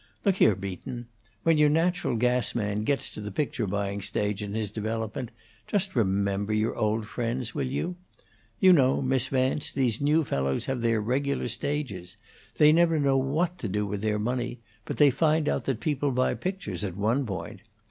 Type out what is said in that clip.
Look here, Beaton, when your natural gas man gets to the picture buying stage in his development, just remember your old friends, will you? You know, Miss Vance, those new fellows have their regular stages. They never know what to do with their money, but they find out that people buy pictures, at one point.